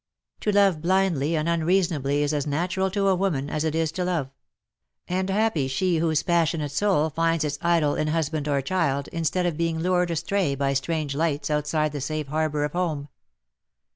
To love blindly and unreasonably is as natural to a woman as it is to love : and bappy sbe whose passionate soul finds its idol in husband or child, instead of being lured astray by strange lights outside the safe harbour of home.